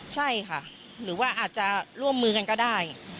ใช่ค่ะหรือว่าอาจจะร่วมมือกันก็ได้